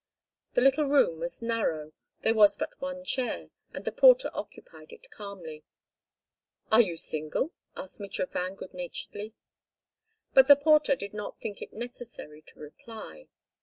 The little room was narrow; there was but one chair, and the porter occupied it calmly. "Are you single?" asked Mitrofan good naturedly. But the porter did not think it necessary to reply.